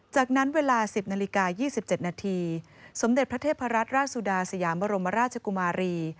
จากนั้นเวลาสิบนาฬิกายี่สิบเจ็ดนาทีสมเด็จพระเทพรัชราชสุดาสยามบรมราชกุมารี